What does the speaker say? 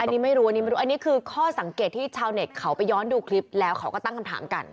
อันนี้ไม่รู้อันนี้ไม่รู้อันนี้คือข้อสังเกตที่ชาวเน็ตเขาไปย้อนดูคลิปแล้วเขาก็ตั้งคำถามกัน